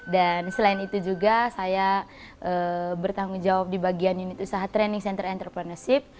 dan selain itu juga saya bertanggung jawab di bagian unit usaha training center entrepreneurship